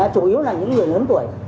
chủ yếu là những người lớn tuổi